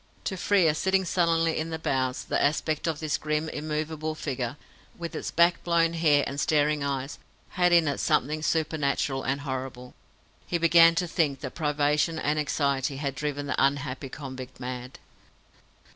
To Frere, sitting sullenly in the bows, the aspect of this grim immovable figure, with its back blown hair and staring eyes, had in it something supernatural and horrible. He began to think that privation and anxiety had driven the unhappy convict mad.